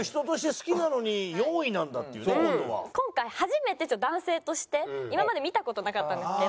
今回初めて男性として今まで見た事なかったんですけど。